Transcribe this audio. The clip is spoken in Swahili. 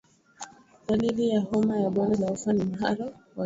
Dalili ya homa ya bonde la ufa ni mharo wa damu wenye harufu mbaya